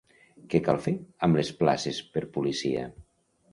Què cal fer amb les places per policia?